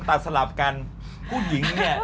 สลับกันผู้หญิงเนี่ย